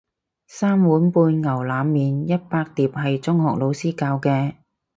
三碗半牛腩麵一百碟係中學老師教嘅